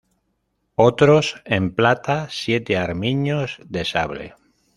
Otros: "en plata, siete armiños de sable".